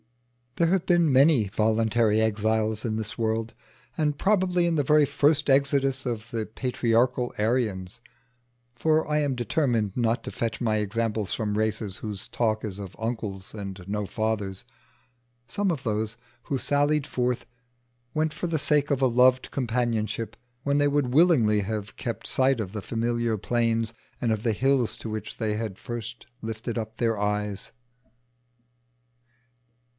There have been many voluntary exiles in the world, and probably in the very first exodus of the patriarchal Aryans for I am determined not to fetch my examples from races whose talk is of uncles and no fathers some of those who sallied forth went for the sake of a loved companionship, when they would willingly have kept sight of the familiar plains, and of the hills to which they had first lifted up their eyes.